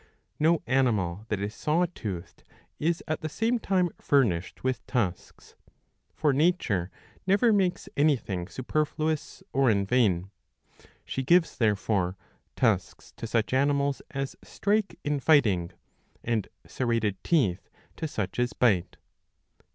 No animal that is saw toothed is at the same time furnished with tusks.3 For nature never makes anything superfluous or in vain. She gives, therefore, tusks to such animals as strike in fighting, and serrated teeth to such as bite.